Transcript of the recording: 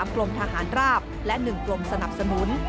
กรมทหารราบและ๑กรมสนับสนุน